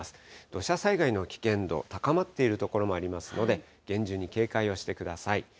土砂災害の危険度、高まっている所もありますので、厳重に警戒をしてください。